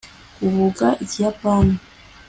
uvuga ikiyapani